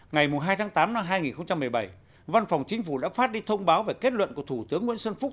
ngày hai tháng tám năm hai nghìn một mươi bảy văn phòng chính phủ đã phát đi thông báo về kết luận của thủ tướng nguyễn xuân phúc